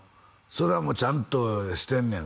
それはもうちゃんとしてんねん